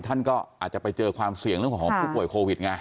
ท่านก็อาจจะไปเจอความเสี่ยงเรื่องของผู้ป่วยโควิดไง